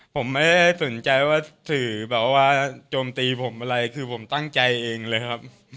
ผมไม่ได้สนใจว่าสื่อแบบว่าโจมตีผมอะไรคือผมตั้งใจเองเลยครับ